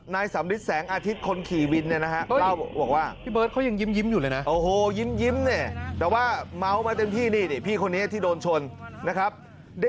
นายสัมฤทธิ์แสงอาธิตคนขี่วินเนี่ยนะฮะเล่าบอกว่า